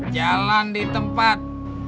jalan di tempat